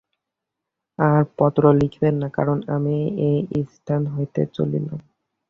আর পত্র লিখিবেন না, কারণ আমি এস্থান হইতে চলিলাম।